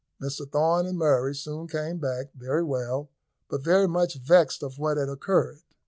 Mr Thorn and Murray soon came back, very well, but very much vexed at what had occurred.